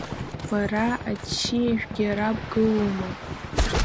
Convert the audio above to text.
Бара аччиажәгьы ара бгылоума?